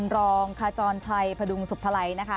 รองคจชัยพดุงสุปราณี